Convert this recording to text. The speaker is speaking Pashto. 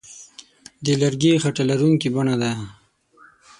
د لرګي خټه لرونکې بڼه ده.